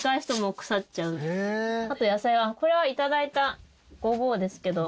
あと野菜はこれは頂いたゴボウですけど。